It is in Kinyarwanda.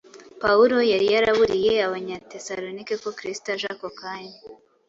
Pawulo yari yaraburiye Abanyatesalonike ko Kristo aje ako kanya.